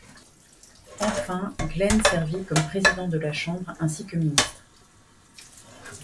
Enfin, Glen servit comme Président de la Chambre ainsi que ministre.